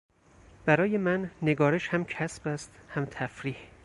برای من نگارش هم کسب است هم تفریح.